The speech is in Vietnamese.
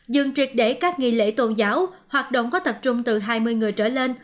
dừng triệt để các nghi lễ tôn giáo hoạt động có tập trung từ hai mươi người trở lên